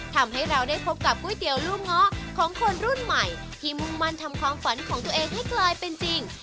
ทำให้เราได้พบกับก๋วยเตี๋ยวลูกเงาะของคนรุ่นใหม่ที่มุ่งมั่นทำความฝันของตัวเองให้กลายเป็นจริง